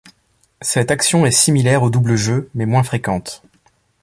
Cette action est similaire au double jeu, mais moins fréquente.